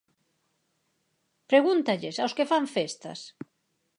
Pregúntalles aos que fan festas.